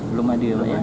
belum ada ya pak